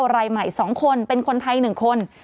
รายใหม่๒คนเป็นคนไทย๑คน